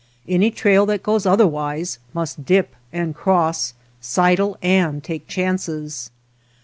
Any trail that goes otherwhere must dip and cross, sidle and take chances.